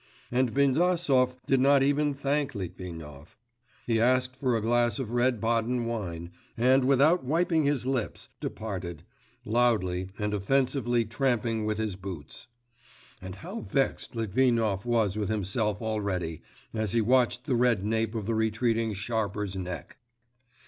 And Bindasov did not even thank Litvinov; he asked for a glass of red Baden wine, and without wiping his lips departed, loudly and offensively tramping with his boots. And how vexed Litvinov was with himself already, as he watched the red nape of the retreating sharper's neck!